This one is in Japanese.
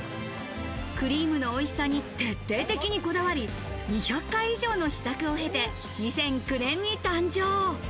クリームのおいしさに徹底的にこだわり、２００回以上の試作を経て２００９年に誕生。